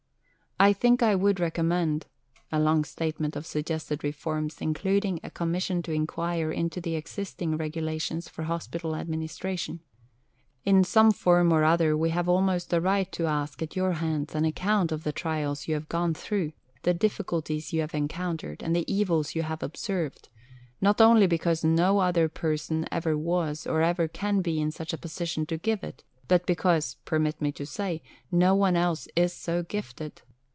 I think I would recommend ... [a long statement of suggested reforms, including "a Commission to enquire into the existing Regulations for Hospital Administration"]. In some form or other we have almost a right to ask at your hands an account of the trials you have gone through, the difficulties you have encountered, and the evils you have observed not only because no other person ever was or can be in such a position to give it, but because, permit me to say, no one else is so gifted.